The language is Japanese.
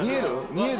見える？